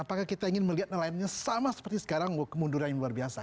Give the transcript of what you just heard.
apakah kita ingin melihat nelayannya sama seperti sekarang kemunduran yang luar biasa